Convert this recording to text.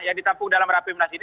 yang ditampung dalam rapimnas ini